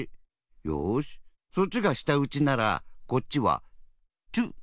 よしそっちがしたうちならこっちはチュッ。